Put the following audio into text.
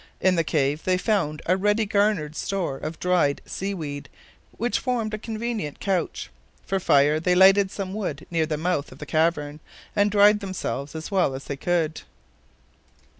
In the cave they found a ready garnered store of dried sea weed, which formed a convenient couch; for fire, they lighted some wood near the mouth of the cavern, and dried themselves as well as they could.